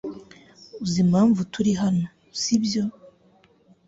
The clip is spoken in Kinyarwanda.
Uzi impamvu turi hano, sibyo?